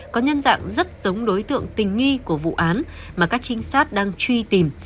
có nhân dạng rất giống đối tượng tình nghi của vụ án mà các trinh sát đang truy tìm